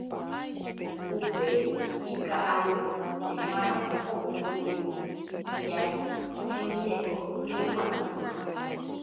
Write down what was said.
Upéi ika'aruetémarõ ohókuri ipiári hembireko hyeguasúva.